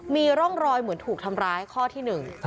มีร่องรอยเหมือนถูกทำร้ายข้อที่หนึ่ง